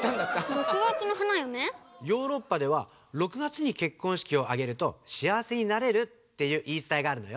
ヨーロッパでは６月にけっこんしきをあげるとしあわせになれるっていういいつたえがあるのよ。